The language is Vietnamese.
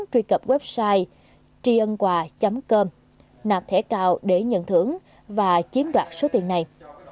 truy cập website triânquà com nạp thẻ cao để nhận thưởng và chiếm đoạt số tiền này